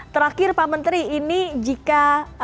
terakhir pak menteri ini jika